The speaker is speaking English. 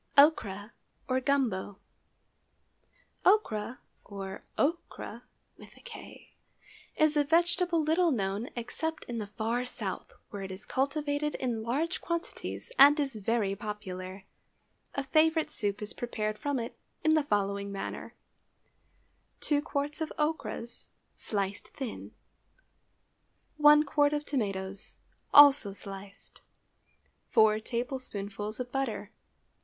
OCHRA, OR GUMBO. Ochra, or okra, is a vegetable little known except in the far South, where it is cultivated in large quantities and is very popular. A favorite soup is prepared from it in the following manner:— 2 qts. of ochras, sliced thin. 1 qt. of tomatoes, also sliced. 4 tablespoonfuls of butter.